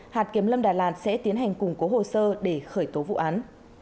hạt kiếm lâm đà làn sẽ tiến hành củng cố hồ sơ để khởi tố vụ án